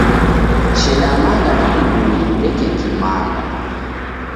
Sheda manga na mngulu kudeke Kimanga.